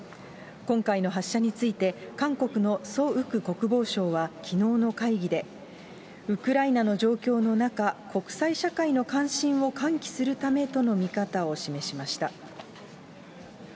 今回の発射について、韓国のソ・ウク国防相はきのうの会議で、ウクライナの状況の中、国際社会の関心を喚起するためとの見方を示しました。